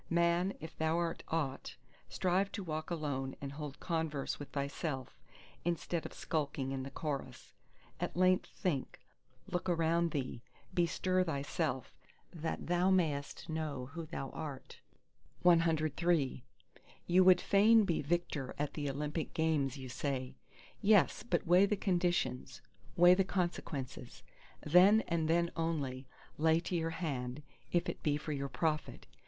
Man, if thou art aught, strive to walk alone and hold converse with thyself, instead of skulking in the chorus! at length think; look around thee; bestir thyself, that thou mayest know who thou art! CIV You would fain be victor at the Olympic games, you say. Yes, but weigh the conditions, weigh the consequences; then and then only, lay to your hand—if it be for your profit.